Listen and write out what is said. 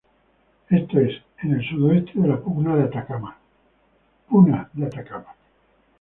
Esto es: en el sudoeste de la Puna de Atacama.